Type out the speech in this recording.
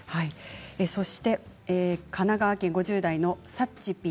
そして神奈川県５０代の方です。